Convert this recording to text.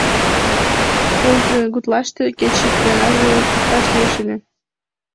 — Тылзе гутлаште кеч ик ганаже пурташ лиеш ыле.